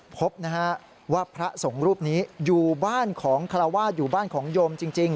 พบนะฮะว่าพระสงฆ์รูปนี้อยู่บ้านของคาราวาสอยู่บ้านของโยมจริง